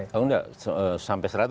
enggak sampai seratus ya